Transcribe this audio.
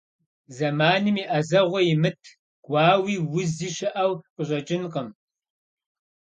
Зэманым и Ӏэзэгъуэ имыт гуауи узи щыӀэу къыщӀэкӀынкъым.